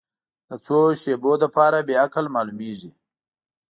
د څو شیبو لپاره بې عقل معلومېږي.